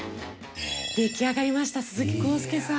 出来上がりました鈴木浩介さん。